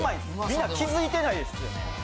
みんな気づいてないですよね。